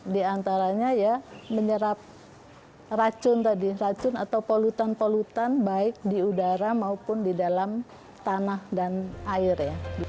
di antaranya menyerap racun atau polutan polutan baik di udara maupun di dalam tanah dan air